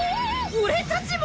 俺たちも！？